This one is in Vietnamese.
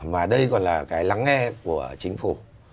mà đây còn là cái lắng nghe của chính phủ